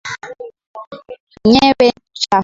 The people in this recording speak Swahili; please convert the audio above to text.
Nyewe chafu